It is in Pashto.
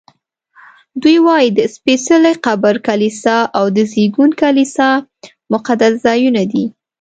دوی وایي د سپېڅلي قبر کلیسا او د زېږون کلیسا مقدس ځایونه دي.